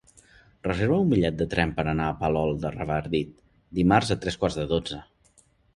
Reserva'm un bitllet de tren per anar a Palol de Revardit dimarts a tres quarts de dotze.